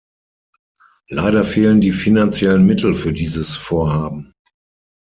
Leider fehlen die finanziellen Mittel für dieses Vorhaben.